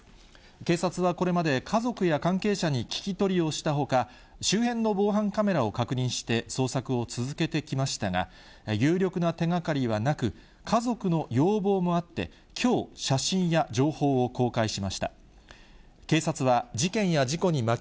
警察はこれまで、家族や関係者に聞き取りをしたほか、周辺の防犯カメラを確認して捜索を続けてきましたが、有力な手がかりはなく、家族の要望もあって、きょう、写真や情報を公開しました。